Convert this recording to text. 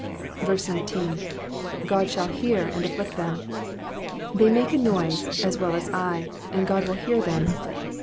19. ^^Qod ^ioll hear, and afflict them," They make a noise as well as I, and God will hear them.